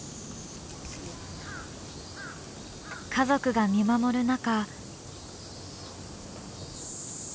家族が見守る中。